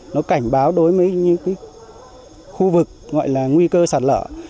nó cảnh báo đối với những khu vực gọi là nguy cơ sạt lở